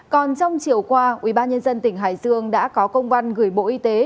còn trong chiều qua ubnd tỉnh hải dương đã có công văn gửi bộ y tế